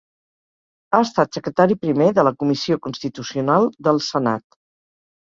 Ha estat secretari primer de la Comissió Constitucional del Senat.